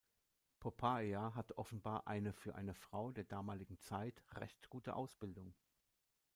Poppaea hatte offenbar eine für eine Frau der damaligen Zeit recht gute Ausbildung.